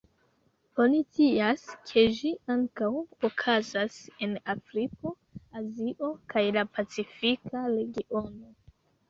Oni scias, ke ĝi ankaŭ okazas en Afriko, Azio, kaj la Pacifika Regiono.